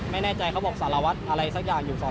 ไม่แน่ใจเขาบอกสารวัตรอะไรสักอย่างอยู่สน